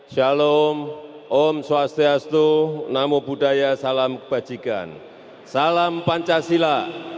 salam budaya salam kebajikan salam pancasila